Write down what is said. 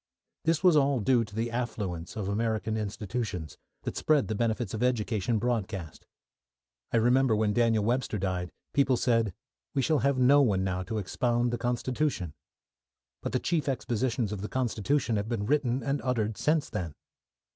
This was all due to the affluence of American institutions, that spread the benefits of education broadcast. I remember when Daniel Webster died, people said, "We shall have no one now to expound the constitution," but the chief expositions of the constitution have been written and uttered since then.